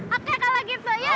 oke kalau gitu ya